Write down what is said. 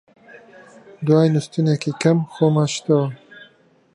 دوای نووستنێکی کەم خۆمان شتەوە